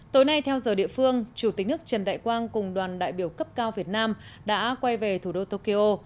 tối nay theo giờ địa phương chủ tịch nước trần đại quang cùng đoàn đại biểu cấp cao việt nam đã quay về thủ đô tokyo